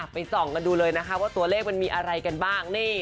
ส่องกันดูเลยนะคะว่าตัวเลขมันมีอะไรกันบ้าง